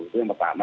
itu yang pertama